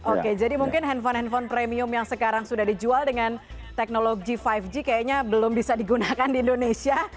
oke jadi mungkin handphone handphone premium yang sekarang sudah dijual dengan teknologi lima g kayaknya belum bisa digunakan di indonesia